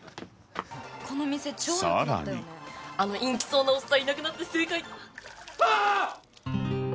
さらにあの陰気そうなおっさんいなくなって正解。わ！